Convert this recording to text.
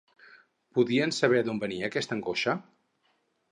Podien saber d'on venia aquesta angoixa?